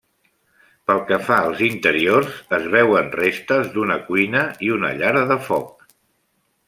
Pel que fa als interiors, es veuen restes d’una cuina i una llar de foc.